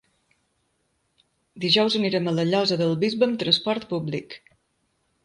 Dijous anirem a la Llosa del Bisbe amb transport públic.